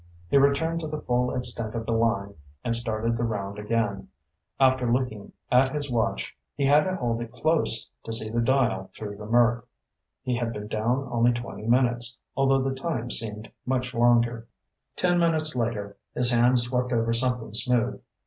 He returned to the full extent of the line and started the round again, after looking at his watch. He had to hold it close to see the dial through the murk. He had been down only twenty minutes, although the time seemed much longer. Ten minutes later his hand swept over something smooth.